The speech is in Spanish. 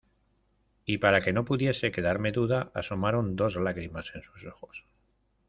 y para que no pudiese quedarme duda, asomaron dos lágrimas en sus ojos.